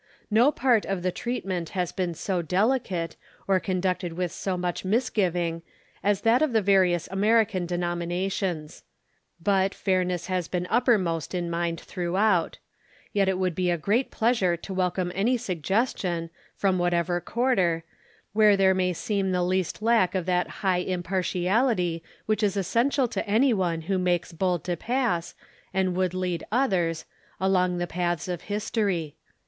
No part of the treat ment has been so delicate, or conducted with so much misgiv ing, as that of the various American denominations. But fair ness has been uppermost in mind throughout. Yet it would be a great pleasure to welcome any suggestion, from whatever quarter, where there may seem the least lack of that high im partiality which is essential to any one who makes bold to pass, and would lead others, along the paths of History.